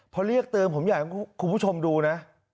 พอเรียกเติมผมอยากให้คุณผู้ชมดูนะ